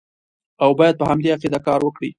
او باید په همدې عقیده کار وکړي.